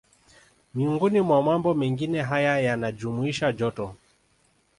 Miongoni mwa mambo mengine haya yanajumuisha joto